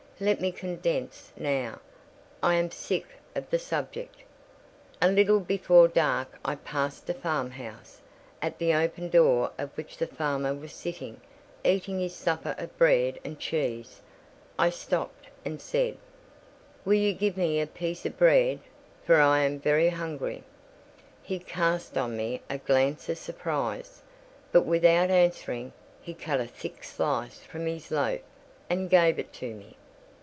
Let me condense now. I am sick of the subject. A little before dark I passed a farm house, at the open door of which the farmer was sitting, eating his supper of bread and cheese. I stopped and said— "Will you give me a piece of bread? for I am very hungry." He cast on me a glance of surprise; but without answering, he cut a thick slice from his loaf, and gave it to me.